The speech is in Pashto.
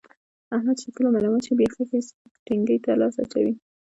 احمد چې کله ملامت شي، بیا خښې تیګې ته لاس اچوي، هسې لانجې جوړوي.